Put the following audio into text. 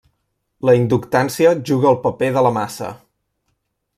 La inductància juga el paper de la massa.